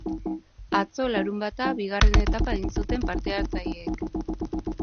Atzo, larunbata, bigarren etapa egin zuten parte-hatzaileek.